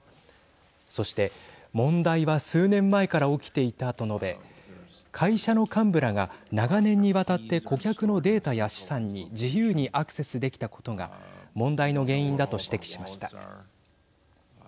そして、問題は数年前から起きていたと述べ会社の幹部らが長年にわたって顧客のデータや資産に自由にアクセスできたことが問題の原因だと指摘しました。